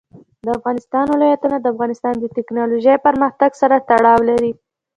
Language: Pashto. د افغانستان ولايتونه د افغانستان د تکنالوژۍ پرمختګ سره تړاو لري.